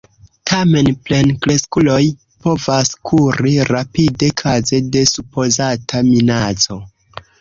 Tamen plenkreskuloj povas kuri rapide kaze de supozata minaco.